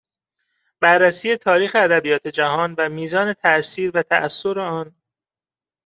بررسی تاریخ ادبیات جهان و میزان تاثیر و تاثر آن